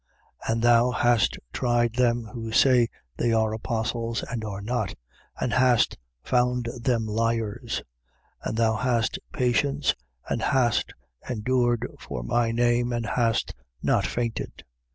And thou hast tried them who say they are apostles and are not: and hast found them liars: 2:3. And thou hast patience and hast endured for my name and hast not fainted.